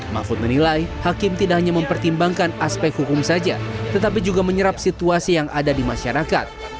mahfud menilai hakim tidak hanya mempertimbangkan aspek hukum saja tetapi juga menyerap situasi yang ada di masyarakat